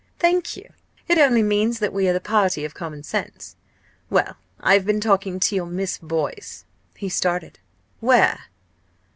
"Thank you! it only means that we are the party of common sense. Well, I have been talking to your Miss Boyce." He started. "Where?"